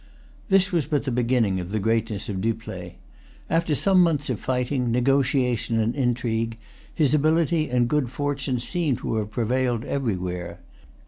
This was but the beginning of the greatness of Dupleix. After some months of fighting, negotiation and intrigue, his ability and good fortune seemed to have prevailed everywhere.